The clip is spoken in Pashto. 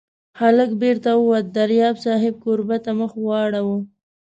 هلک بېرته ووت، دریاب صاحب کوربه ته مخ واړاوه.